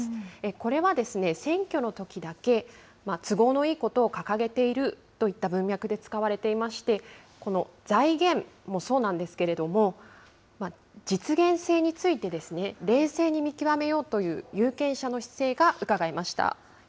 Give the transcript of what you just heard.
これは選挙のときだけ、都合のいいことを掲げているといった文脈で使われていまして、この財源もそうなんですけれども、実現性について冷静に見極めようという有権者の姿勢がうかがえま